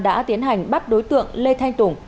đã tiến hành bắt đối tượng lê thanh tùng